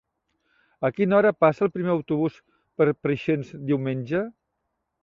A quina hora passa el primer autobús per Preixens diumenge?